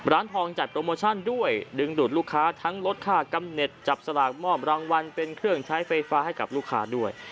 ร้านทองจัดโปรโมชั่นด้วยดึงดูดลูกค้าทั้งลดค่ากำเน็ตจับสลากมอบรางวัลเป็นเครื่องใช้ไฟฟ้าให้กับลูกค้าด้วย